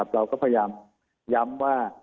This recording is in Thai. เราก็พยายามย้ำว่า